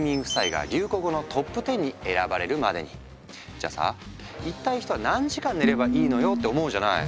じゃあさ「一体人は何時間寝ればいいのよ！」って思うじゃない？